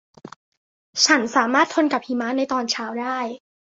ฉันสามารถทนกับหิมะในตอนเช้าได้